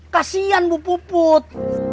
kasian bu puput